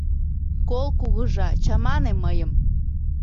«Кол-кугыжа, чамане мыйым